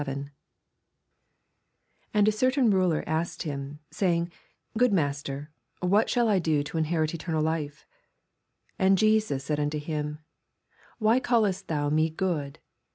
18 And a certain ruler asked him, «ivin^,Good Master, what shall I do to inherit eternal life? 19 And Jesus said unto him, Why caliest thou me good